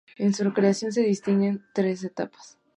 En su creación se distinguen tres etapas.